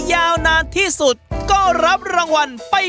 การนอนกรนนั่นก็สามารถเป็นการแข่งขันได้